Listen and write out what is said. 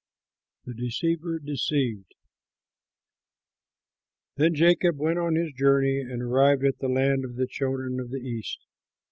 THE DECEIVER DECEIVED Then Jacob went on his journey and arrived at the land of the children of the East.